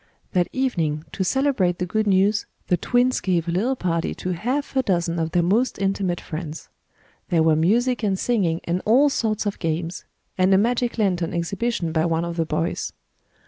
That evening, to celebrate the good news, the twins gave a little party to half a dozen of their most intimate friends. There were music and singing, and all sorts of games, and a magic lantern exhibition by one of the boys.